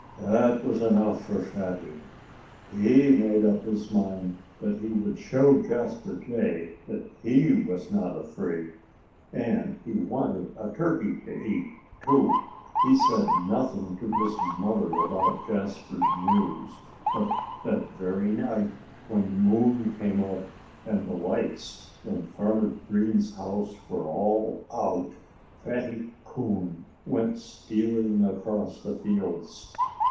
That was enough for Fatty. He made up his mind that he would show Jasper Jay that HE was not afraid. And he wanted a turkey to eat, too. He said nothing to his mother about Jasper's news. But that very night, when the moon came up, and the lights in Farmer Green's house were all out, Fatty Coon went stealing across the fields.